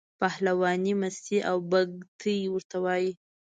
پهلوانۍ، مستۍ او بګتۍ ورته وایي.